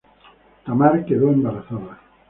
Tamar quedó embarazada.